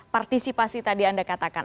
partisipasi tadi anda katakan